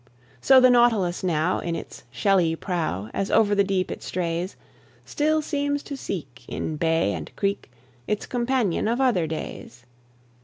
So the nautilus now in its shelly prow, As over the deep it strays, Still seems to seek, in bay and creek, Its companion of other days.